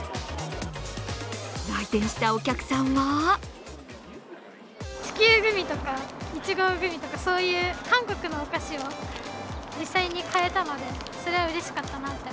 来店したお客さんは地球グミとかいちごグミとか韓国のお菓子を実際に買えたのでそれはうれしかったなって。